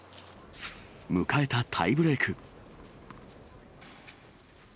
迎えたタイブレーク。